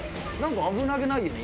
危なげないよね